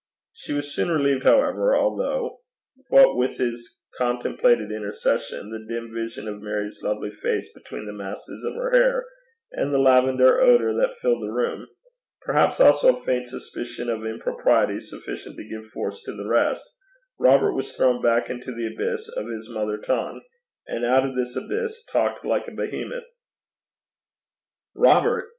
She was soon relieved, however, although what with his contemplated intercession, the dim vision of Mary's lovely face between the masses of her hair, and the lavender odour that filled the room perhaps also a faint suspicion of impropriety sufficient to give force to the rest Robert was thrown back into the abyss of his mother tongue, and out of this abyss talked like a Behemoth. 'Robert!'